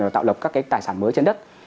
tạo lập các cái tài sản mới trên đất